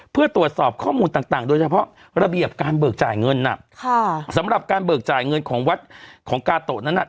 เพื่อตรวจสอบข้อมูลต่างโดยเฉพาะระเบียบการเบิกจ่ายเงินน่ะค่ะสำหรับการเบิกจ่ายเงินของวัดของกาโตะนั้นน่ะ